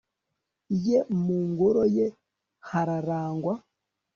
ye, mu ngoro ye harangwa